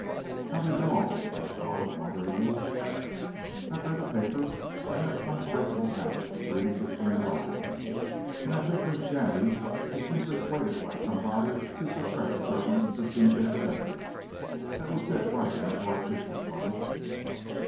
"How do you know all this?" asked Olive, wonderingly. "I've read the papers. I have an unbreakable habit of reading between the lines, and I think Miss Jenny has been persuaded by somebody to suppress certain interesting bits of evidence that would fit right into our picture puzzle."